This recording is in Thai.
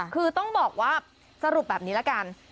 คือต้องบอกว่าสรุปแบบนี้ละกัน